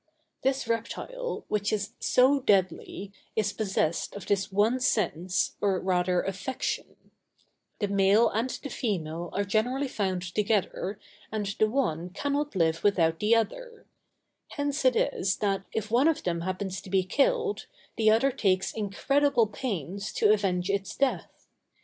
This reptile, which is so deadly, is possessed of this one sense, or rather affection; the male and the female are generally found together, and the one cannot live without the other; hence it is that, if one of them happens to be killed, the other takes incredible pains to avenge its death.